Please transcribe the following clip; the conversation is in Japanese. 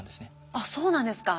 あっそうなんですか。